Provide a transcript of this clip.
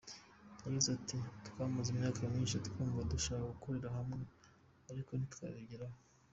Yagize ati “Twamaze imyaka myinshi twumva dushaka gukorera hamwe ariko ntitwabigeraho.